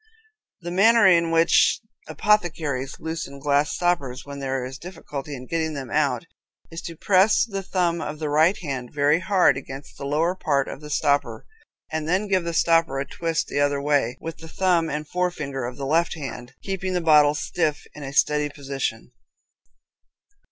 The manner in which apothecaries loosen glass stoppers when there is difficulty in getting them out is to press the thumb of the right hand very hard against the lower part of the stopper, and then give the stopper a twist the other way, with the thumb and forefinger of the left hand, keeping the bottle stiff in a steady position.